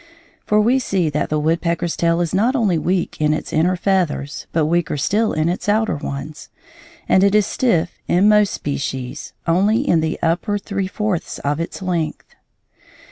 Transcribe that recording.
For we see that the woodpecker's tail is not only weak in its inner feathers, but weaker still in its outer ones, and it is stiff, in most species, only in the upper three fourths of its length.